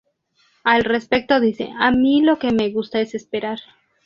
Al respecto dice: "A mí lo que me gusta es esperar.